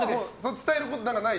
伝えることない？